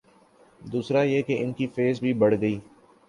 دوسرا یہ کہ ان کی فیس بھی بڑھ گئی۔